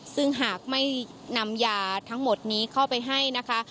ซึ่งหากไม่นำยาทั้งหมดนี้เข้าไปให้นะคะ